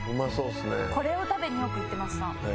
「これを食べによく行ってました」